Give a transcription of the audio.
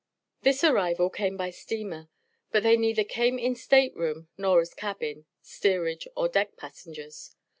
This arrival came by Steamer. But they neither came in State room nor as Cabin, Steerage, or Deck passengers.